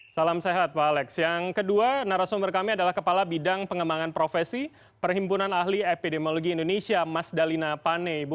salam sehat pak alex yang kedua narasumber kami adalah kepala bidang pengembangan profesi perhimpunan ahli epidemiologi indonesia mas dalina pane